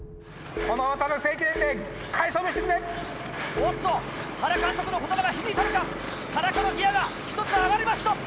おっと原監督の言葉が響いたのか田中のギアが１つ上がりました。